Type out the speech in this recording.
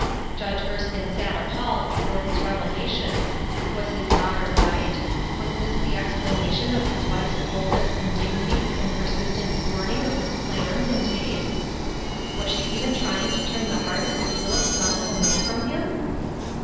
Judge Erskine sat appalled before these revela " FOREWARNED " AND " FOREARMED." 57 tions. Was his daughter right ? Was this the explanation of his wife's coldness and dignity, and persistent thwarting of his plans and tastes ? Was she even trying to turn the heart of his little son away from him